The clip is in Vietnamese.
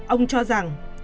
ông cho rằng